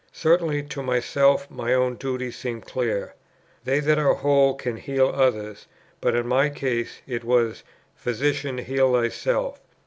Certainly to myself my own duty seemed clear. They that are whole can heal others; but in my case it was, "Physician, heal thyself."